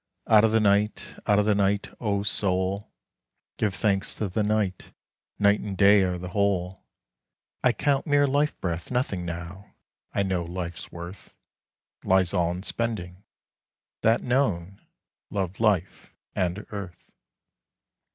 Out of the Night! out of the Night, O Soul: Give thanks to the Night: Night and Day are the Whole. I count mere life breath nothing now I know Life's worth Lies all in spending! that known, love Life and Earth.